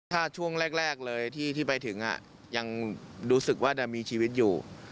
ถ้าช่วงแรกเลยที่ไปถึงยังรู้สึกว่าจะมีชีวิตอยู่